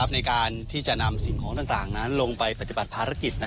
ในการที่จะนำสิ่งของต่างนั้นลงไปปฏิบัติภารกิจ